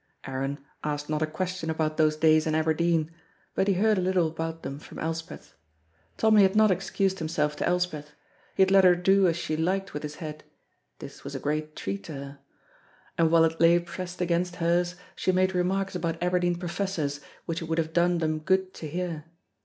Aaron asked not a question about those days in Aberdeen, but he heard a little about them from Elspeth. Tommy had not excused himself to Elspeth, he had let her do as she liked with his head (this was a great treat to her), and while it lay pressed against hers, she made remarks about Aberdeen professors which it would have done them good to hear.